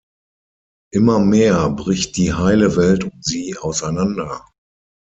Immer mehr bricht die heile Welt um sie auseinander.